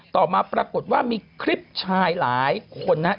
ต่อมาปรากฏว่ามีคลิปชายหลายคนนะครับ